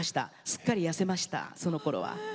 すっかり痩せましたそのころは。